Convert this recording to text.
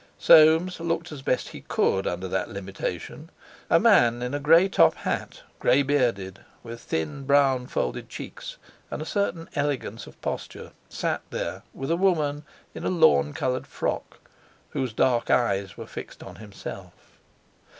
Soames looked as best he could under that limitation. A man in a grey top hat, grey bearded, with thin brown, folded cheeks, and a certain elegance of posture, sat there with a woman in a lawn coloured frock, whose dark eyes were fixed on himself.